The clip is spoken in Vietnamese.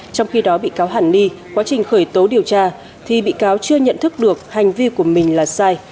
trong khi đó bị cáo hàn ni quá trình khởi tố điều tra thì bị cáo chưa nhận thức được hành vi của mình là sai